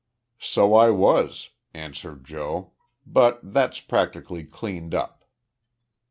"So I was," answered Joe. "But that's practically cleaned up."